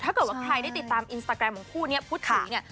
ถ้าเกิดว่าใครได้ติดตามอินสตาแกรมของคู่นี้พูดถึงเนี่ย